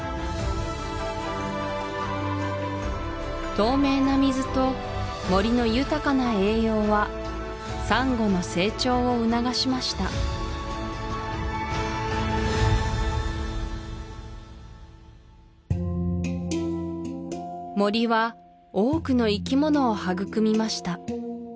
透明な水と森の豊かな栄養はサンゴの成長を促しました森は多くの生き物を育みました